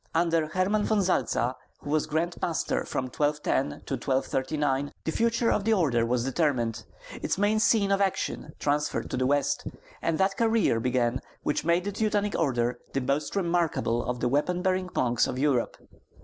Under Herman Von Salza, who was grand master from 1210 to 1239, the future of the order was determined, its main scene of action transferred to the West, and that career begun which made the Teutonic Order the most remarkable of the weapon bearing monks of Europe.